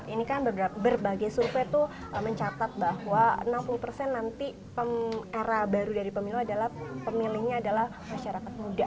ini kan berbagai survei tuh mencatat bahwa enam puluh persen nanti era baru dari pemilu adalah pemilihnya adalah masyarakat muda